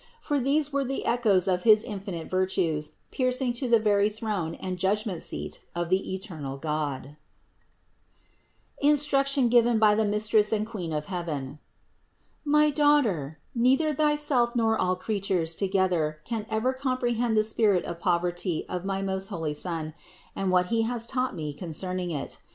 For these were the echoes of his infinite virtues piercing to the very throne and judgment seat of the eternal God. THE INCARNATION 589 INSTRUCTION GIVEN BY THE MISTRESS AND QUEEN OF HEAVEN. 688. My daughter, neither thyself nor all creatures together can ever comprehend the spirit of poverty of my most holy Son, and what He has taught me concerning it.